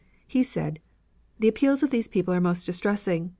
He said: "The appeals of these people are most distressing.